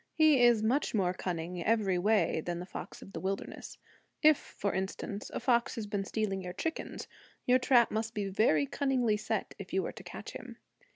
He is much more cunning every way than the fox of the wilderness. If, for instance, a fox has been stealing your chickens, your trap must be very cunningly set if you are to catch him.